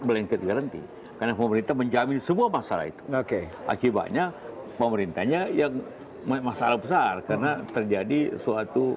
blanket garanti karena pemerintah menjamin semua masalah itu oke akibatnya pemerintahnya yang masalah